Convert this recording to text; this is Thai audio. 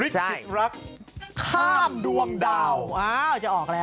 อู๋เจ้าสาวโชคดี